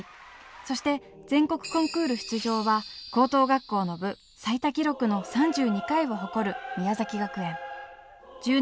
そして全国コンクール出場は高等学校の部最多記録の３２回を誇る宮崎学園。